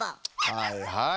はいはい。